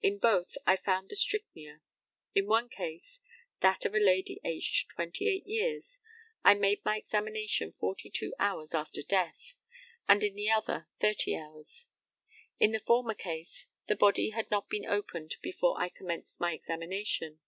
In both I found the strychnia. In one case that of a lady aged 28 years I made my examination forty two hours after death, and in the other thirty hours. In the former case, the body had not been opened before I commenced my examination.